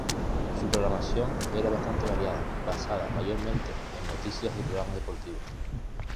Su programación era bastante variada, basada mayormente en noticias y programas deportivos.